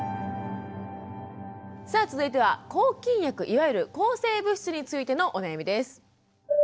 さあ続いては抗菌薬いわゆる抗生物質についてのお悩みです。